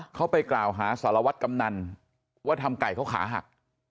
เขาไปกล่าวหาสารวัตรกำนันว่าทำไก่เขาขาหัก